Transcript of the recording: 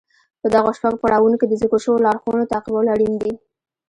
په دغو شپږو پړاوونو کې د ذکر شويو لارښوونو تعقيبول اړين دي.